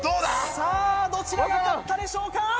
さあどちらが勝ったでしょうか？